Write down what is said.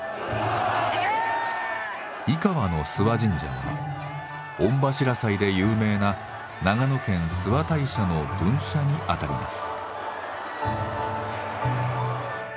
井川の諏訪神社は御柱祭で有名な長野県諏訪大社の分社に当たります。